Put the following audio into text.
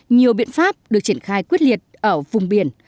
nhiều biện pháp được triển khai quyết liệt ở vùng biển